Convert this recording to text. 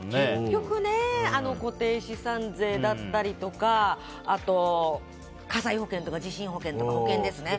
結局、固定資産税だったりとかあと火災保険とか地震保険とかの保険ですね。